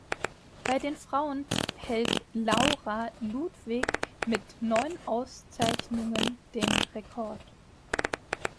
Bei den Frauen hält Laura Ludwig mit neun Auszeichnungen den Rekord.